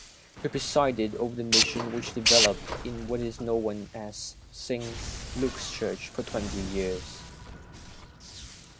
He presided over this Mission, which developed into what is now St. Luke's Church, for twenty two years.